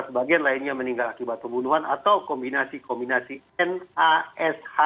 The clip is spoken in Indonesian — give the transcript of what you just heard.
sebagian lainnya meninggal akibat pembunuhan atau kombinasi kombinasi n a s h